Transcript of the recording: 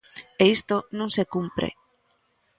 E isto non se cumpre.